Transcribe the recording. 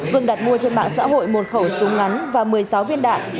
vương đặt mua trên mạng xã hội một khẩu súng ngắn và một mươi sáu viên đạn